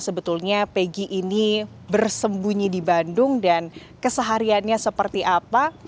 sebetulnya peggy ini bersembunyi di bandung dan kesehariannya seperti apa